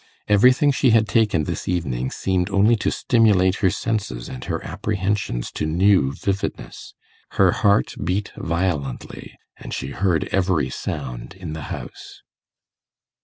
Everything she had taken this evening seemed only to stimulate her senses and her apprehensions to new vividness. Her heart beat violently, and she heard every sound in the house.